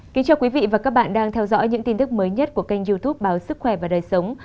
kính chào quý vị và các bạn đang theo dõi những tin tức mới nhất của kênh youtube báo sức khỏe và đời sống